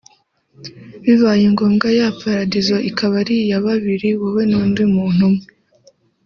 Bibaye ngombwa ya paradizo ikaba ari iya babiri wowe n’undi muntu umwe